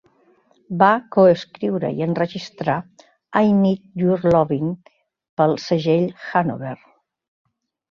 Va coescriure i enregistrar "I Need Your Lovin'" pel segell Hanover.